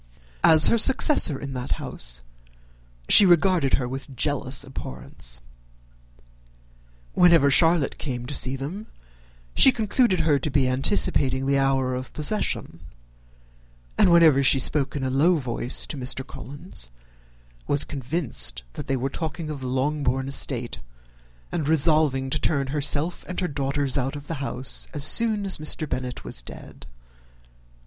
As her successor in that house, she regarded her with jealous abhorrence. Whenever Charlotte came to see them, she concluded her to be anticipating the hour of possession; and whenever she spoke in a low voice to Mr. Collins, was convinced that they were talking of the Longbourn estate, and resolving to turn herself and her daughters out of the house as soon as Mr. Bennet was dead.